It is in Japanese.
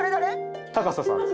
「高佐さんです」